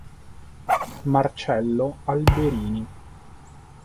Marcello Alberini